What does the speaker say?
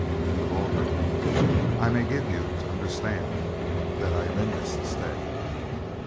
In the vulgar, I may give you to understand that I am in this to stay!"